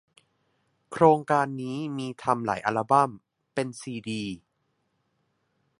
โครงการนี้มีทำหลายอัลบั้ม เป็นซีดี